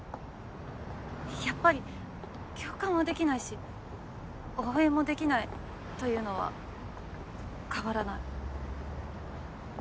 やっぱり共感はできないし応援もできないというのは変わらない。